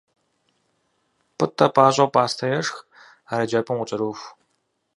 Пӏытӏэ пӏащӏэу пӏастэ ешх, ар еджапӏэм къыкӏэроху.